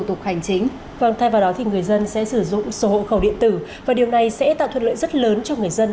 thay vào đó người dân sẽ sử dụng sổ hộ khẩu điện tử và điều này sẽ tạo thuận lợi rất lớn cho người dân